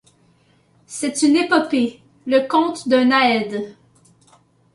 C’est une épopée, le conte d’un aède.